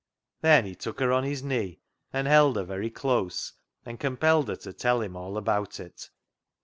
Then he took her on his knee, and held her very close, and compelled her to tell him all about it.